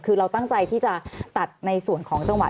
คือเราตั้งใจที่จะตัดในส่วนของจังหวัด